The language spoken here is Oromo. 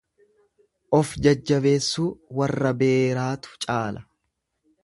Of jajabeessuu warra beeraatu caala.